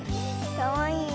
かわいいよ。